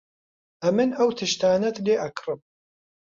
ئەمن ئەو تشتانەت لێ ئەکڕم.